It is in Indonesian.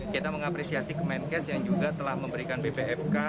kita mengapresiasi kemenkes yang juga telah memberikan bpfk